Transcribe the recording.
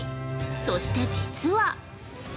そして実は！